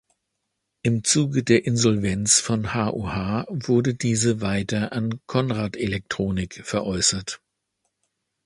Im Zuge der Insolvenz von HoH wurde diese weiter an Conrad Elektronik veräußert.